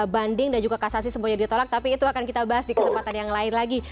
banding dan juga kasasi semuanya ditolak tapi itu akan kita bahas di kesempatan yang lain lagi